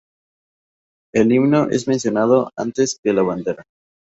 El himno es mencionado antes que la bandera.